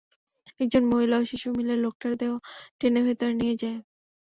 একজন মহিলা ও শিশু মিলে লোকটার দেহ টেনে ভেতরে নিয়ে যায়।